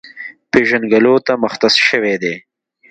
پېژنګلو ته مختص شوی دی،